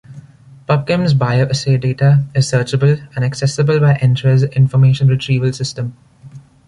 PubChem's BioAssay data is searchable and accessible by Entrez information retrieval system.